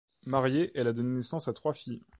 Mariée, elle a donné naissance à trois filles.